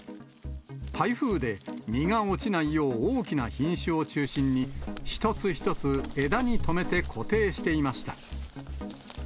台風で実が落ちないよう、大きな品種を中心に、一つ一つ、枝に留めて固定していました。